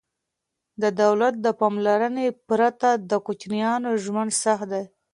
د دولت د پاملرنې پرته د کوچیانو ژوند سخت دی.